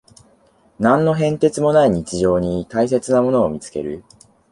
何の変哲もない日常に大切なものを見つける